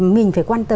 mình phải quan tâm